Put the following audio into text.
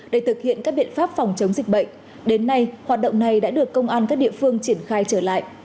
để thực hiện các biện pháp phòng chống dịch bệnh đến nay hoạt động này đã được công an các địa phương triển khai trở lại